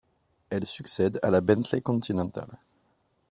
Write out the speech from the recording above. Elle succède à la Bentley Continental.